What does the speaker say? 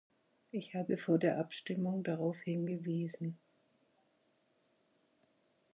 Ich habe vor der Abstimmung darauf hingewiesen.